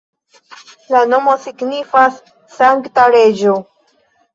La nomo signifas sankta reĝo.